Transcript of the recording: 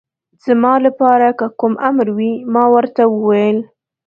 زما لپاره که کوم امر وي، ما ورته وویل.